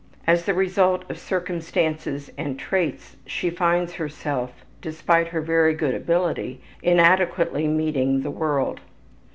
As the result of circumstances and traits she finds herself, despite her very good ability, inadequately meeting the world.